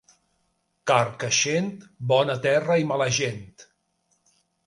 Carcaixent, bona terra i mala gent.